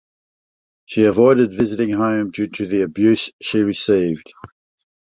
She avoided visiting home due to the abuse she received.